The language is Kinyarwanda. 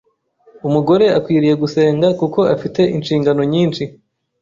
Umugore akwiriye gusenga kuko afite inshingano nyinshi